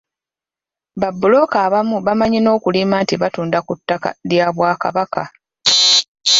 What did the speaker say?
Ba bbulooka abamu bamanyi n'okulimba nti batunda ku ttaka lya Bwakabaka.